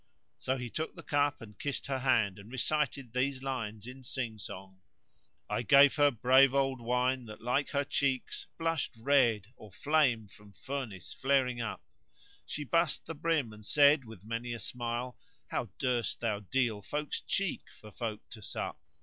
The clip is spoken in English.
So he took the cup and kissed her hand and recited these lines in sing song: "I gave her brave old wine that like her cheeks * Blushed red or flame from furnace flaring up: She bussed the brim and said with many a smile * How durst thou deal folk's cheek for folk to sup?